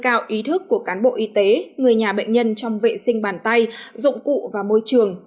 nâng cao ý thức của cán bộ y tế người nhà bệnh nhân trong vệ sinh bàn tay dụng cụ và môi trường